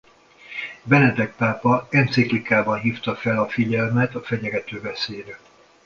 Benedek pápa enciklikában hívta fel a figyelmet a fenyegető veszélyre.